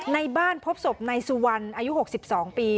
ในบ้านพบศพนายสุวรรณอายุ๖๒ปี